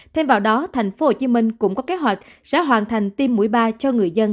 thêm vào đó thành phố hồ chí minh cũng có kế hoạch sẽ hoàn thành tiêm mũi ba